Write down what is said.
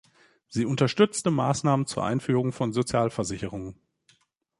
Sie unterstützte Maßnahmen zur Einführung von Sozialversicherungen.